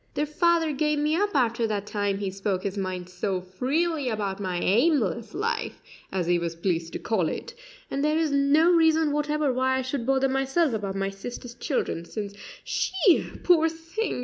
Their father gave me up after that time he spoke his mind so freely about my aimless life as he was pleased to call it and there is no reason whatever why I should bother myself about my sister's children, since she, poor thing!